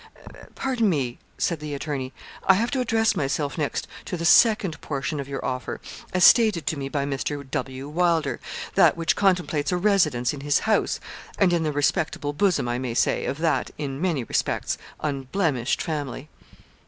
'Pardon me,' said the attorney, 'I have to address myself next to the second portion of your offer, as stated to me by Mr. W. Wylder, that which contemplates a residence in his house, and in the respectable bosom, I may say, of that, in many respects, unblemished family.'